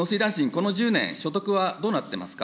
この１０年、所得はどうなっていますか。